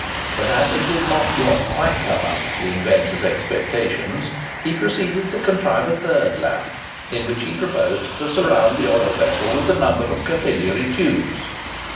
But as it did not yet come quite up to the inventor's expectations, he proceeded to contrive a third lamp, in which he proposed to surround the oil vessel with a number of capillary tubes.